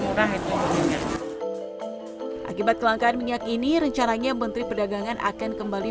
murah itu akibat kelangkaan minyak ini rencananya menteri perdagangan akan kembali